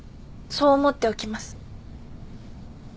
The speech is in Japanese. そう思っておきます。